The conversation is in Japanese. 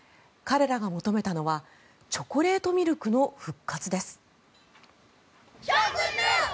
彼らが求めたのはチョコレートミルクの復活です。